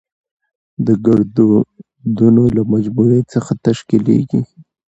د ګړدودونو له مجموعه څخه تشکېليږي.